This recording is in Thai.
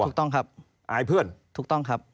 ถูกต้องครับอายเพื่อนถูกต้องครับ